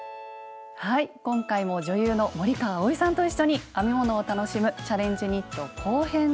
はい今回も女優の森川葵さんと一緒に編み物を楽しむ「チャレンジニット」後編です。